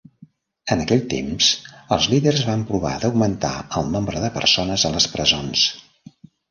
En aquell temps, els líders van provar d'augmentar el nombre de persones a les presons.